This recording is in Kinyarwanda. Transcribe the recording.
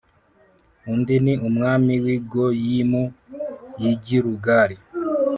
undi ni umwami w i Goyimu y i Gilugali